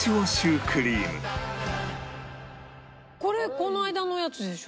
これこの間のやつでしょ？